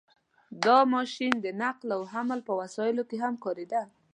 • دا ماشین د نقل او حمل په وسایلو کې هم کارېده.